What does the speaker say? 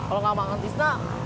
loh apa ini